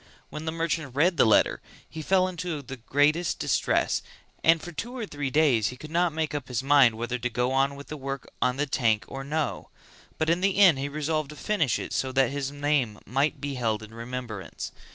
When the merchant read the letter he fell into the greatest distress and for two or three days he could not make up his mind whether to go on with the work on the tank or no; but in the end he resolved to finish it so that his name might be held in remembrance.